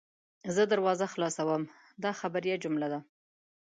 زه دروازه خلاصوم – دا خبریه جمله ده.